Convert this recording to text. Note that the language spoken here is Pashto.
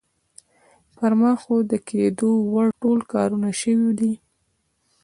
پر ما خو د کېدو وړ ټول کارونه شوي دي.